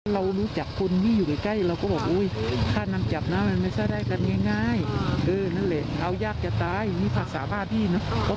เรารู้จักคนนี้อยู่ใกล้เราก็บอกค่านำจับมันไม่ใช่ได้แบบง่ายเอายากจะตายนี่ภาษาบ้านที่เนอะ